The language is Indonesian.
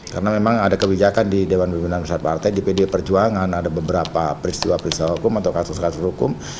karena memang ada kebijakan di dewan pimpinan pusat partai di pdip perjuangan ada beberapa peristiwa peristiwa hukum atau kasus kasus hukum